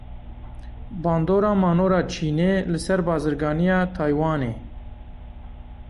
Bandora manora Çînê li ser bazirganiya Taywanê.